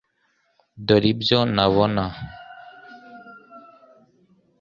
Dore ibyo ntabona .